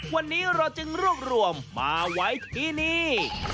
วันนี้เราจึงรวบรวมมาไว้ที่นี่